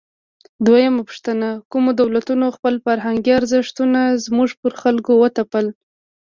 دویمه پوښتنه: کومو دولتونو خپل فرهنګي ارزښتونه زموږ پر خلکو وتپل؟